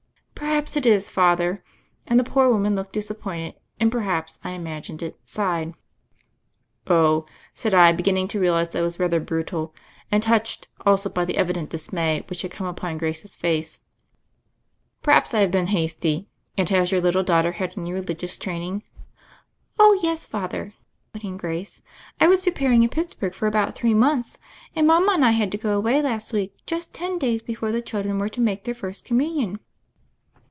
"Perhaps it is. Father." And the poor woman looked disappointed, and, perhaps I im agined it, sighed. "Oh," said I, beginning to realize that I was rather brutal, and touched, also, by the evi dent dismay which had come upon Grace's face, "perhaps I have been hasty; and has your little daughter had any religious training?" "Oh, yes, Father," put in Grace; "I was pre paring in Pittsburgh for about three months, and mama and I had to go away last week just ten days before the children were to make their First Communion."